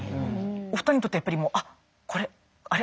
お二人にとってやっぱりもう「あっこれあれ？